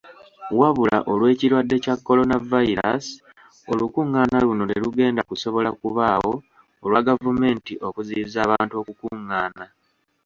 Wabula olw'ekirwadde kya coronavirus, olukungaana luno terugenda kusobola kubaawo olwa gavumenti okuziyiza abantu okukungaana.